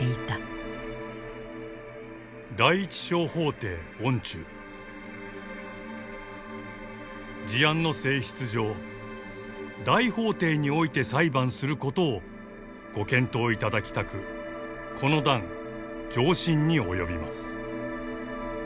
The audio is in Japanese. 「第一小法廷御中事案の性質上大法廷において裁判することを御検討いただきたくこの段上申に及びます」。